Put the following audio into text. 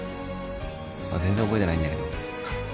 全然覚えてないんだけど。